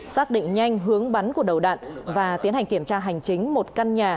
xác định nhanh hướng bắn của đầu đạn và tiến hành kiểm tra hành chính một căn nhà